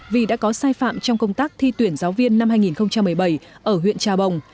vì đã có sai phạm trong công tác thi tuyển giáo viên năm hai nghìn một mươi bảy ở huyện trà bồng